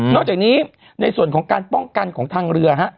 จากนี้ในส่วนของการป้องกันของทางเรือฮะ